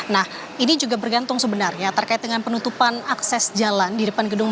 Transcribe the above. nah ini juga bergantung sebenarnya terkait dengan penutupan akses jalan di depan gedung